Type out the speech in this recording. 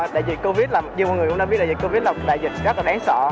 tại vì covid nhiều người cũng đã biết là covid là một đại dịch rất là đáng sợ